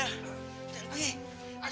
lho kemanap mjas